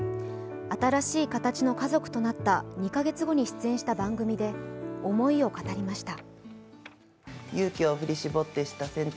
新しい形の家族となった２か月後に出演した番組で思いを語りました。